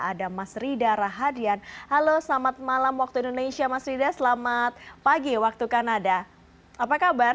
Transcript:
ada mas rida rahadian halo selamat malam waktu indonesia mas rida selamat pagi waktu kanada apa kabar